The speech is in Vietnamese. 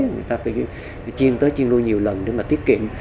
người ta phải chiên tới chiên nuôi nhiều lần để mà tiết kiệm